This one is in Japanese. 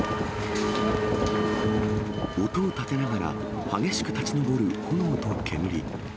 音を立てながら激しく立ち上る炎と煙。